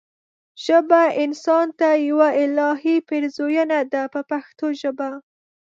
ژبه انسان ته یوه الهي پیرزوینه ده په پښتو ژبه.